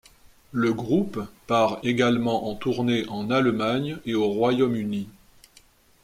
Le groupe part également en tournée en Allemagne, et au Royaume-Uni.